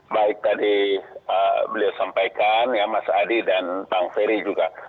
baik tadi beliau sampaikan ya mas adi dan bang ferry juga